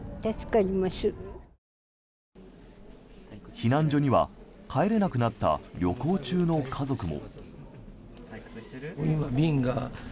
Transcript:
避難所には帰れなくなった旅行中の家族も。